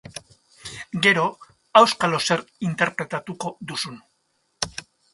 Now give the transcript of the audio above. Gero, auskalo zer interpretatuko duzun.